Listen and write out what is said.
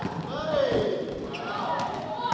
สุดท้ายสุดท้ายสุดท้าย